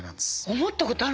思ったことあるんです。